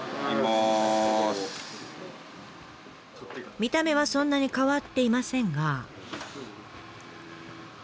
見た目はそんなに変わっていませんが。